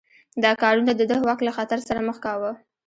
دا کارونه د ده واک له خطر سره مخ کاوه.